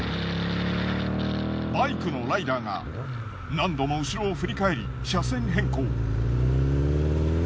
バイクのライダーが何度も後ろを振り返り車線変更。